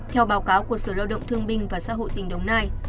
theo báo cáo của sở lao động thương binh và xã hội tỉnh đồng nai